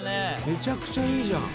めちゃくちゃいいじゃん。